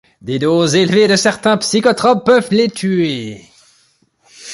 Des doses élevées de certains psychotropes peuvent les tuer..